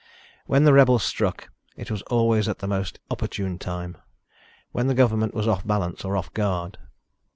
When the rebels struck it was always at the most opportune time, when the government was off balance or off guard.